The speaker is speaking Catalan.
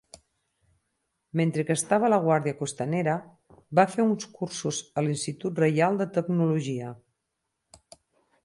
Mentre que estava a la guàrdia costanera, va fer uns cursos a l'Institut Reial de Tecnologia.